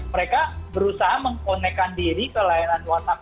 mereka berusaha mengkonekkan diri ke layanan whatsapp